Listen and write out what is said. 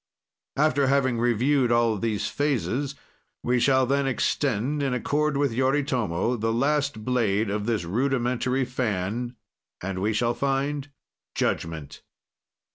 After having reviewed all these phases, we shall then extend, in accord with Yoritomo, the last blade of this rudimentary fan, and we shall find judgment.